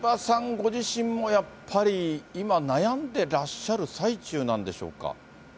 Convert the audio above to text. ご自身もやっぱり今、悩んでらっしゃる最中なんでしょうか。